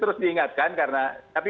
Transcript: harus terus diingatkan karena